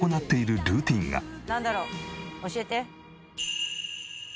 なんだろう？教えて。